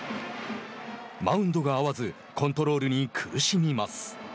マウンドが合わず、コントロールに苦しみます。